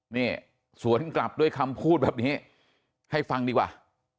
นี่สวนกลับด้วยคำพูดแบบนี้ให้ฟังดีกว่า